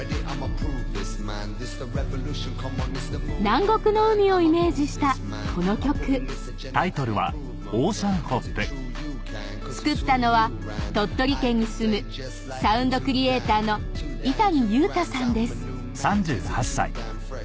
南国の海をイメージしたこの曲創ったのは鳥取県に住むサウンドクリエイターの井谷優太さんです